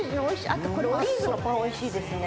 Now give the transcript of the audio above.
あとこれオリーブのパン美味しいですね。